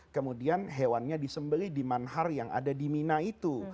kemudian hewannya disembeli di manhar yang ada di mina itu